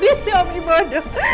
dia suami bodoh